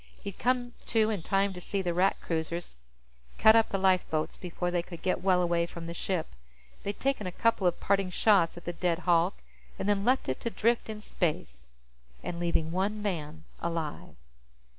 He'd come to in time to see the Rat cruisers cut up the lifeboats before they could get well away from the ship. They'd taken a couple of parting shots at the dead hulk, and then left it to drift in space and leaving one man alive.